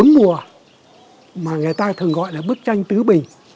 tám mùa mà người ta thường gọi là bức tranh tứ bình